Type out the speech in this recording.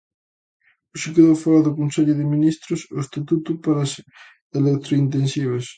Hoxe quedou fóra do Consello de Ministros o estatuto para as electrointensivas.